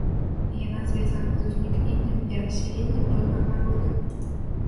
Яна звязана з узнікненнем і рассяленнем пэўнага рода.